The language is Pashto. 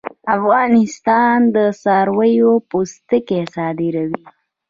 افغانستان د څارویو پوستکي صادروي